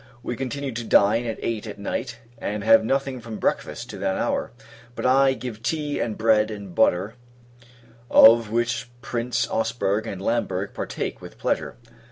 We continue to dine at eight at night, and have nothing from breakfast to that hour. But I give tea and bread and butter, of which Prince Ausberg and Lamberg partake with pleasure.